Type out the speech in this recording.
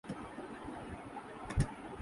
یہ ان کی ضرورت ہے جو اقتدار کی سیاست کر رہے ہیں۔